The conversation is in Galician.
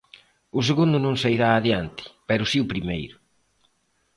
O segundo non sairá adiante, pero si o primeiro.